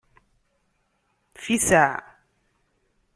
Fisaε!